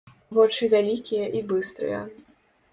Вочы вялікія і быстрыя.